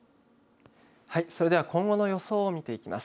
はい、それでは今後の予想を見ていきます。